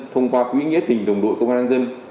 thông qua quỹ nghĩa tình đồng đội công an nhân dân